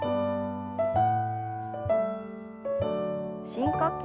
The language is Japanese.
深呼吸。